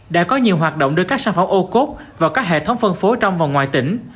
đã có nhiều hoạt động đưa các sản phẩm ô cốt vào các hệ thống phân phối trong và ngoài tỉnh